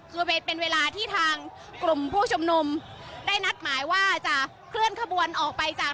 บริเวณเป็นเวลาที่ทางกลุ่มผู้ชุมนุมได้นัดหมายว่าจะเคลื่อนขบวนออกไปจาก